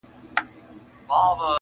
دا د شملو دا د بګړیو وطن!